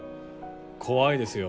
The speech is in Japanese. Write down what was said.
怖いですよ。